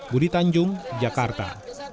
budi tanjung jakarta